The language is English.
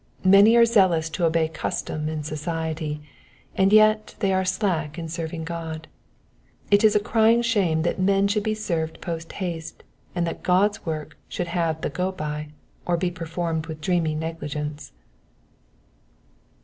Many are zealous to obey custom and society, and yet they are slack in serving God. It is a crying shame that men should be served post haste, and that God's work should have the go by, or be performed with dreamy negligence.